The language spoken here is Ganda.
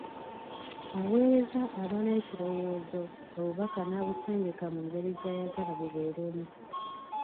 Aweereza aba n'ekirowoozo, obubaka, n'abusengeka mu ngeri gy'ayagala bubeeremu.